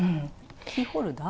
キーホルダー？